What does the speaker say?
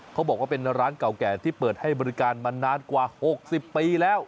เขาบอกว่าเป็นร้านเก่าแก่ที่เปิดให้บริการมานานกว่า๖๐ปีแล้ว